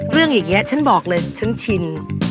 เรื่องอะไรอย่างนี้ฉันบอกเลยถึงชิน